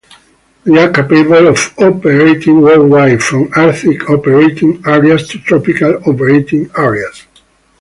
They are capable of operating world-wide, from Arctic operating areas to tropical operating areas.